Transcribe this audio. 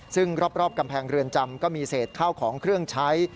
ซึ่งรอบกำแพงเรือนจำก็มีเศษข้าวของเครื่องใช้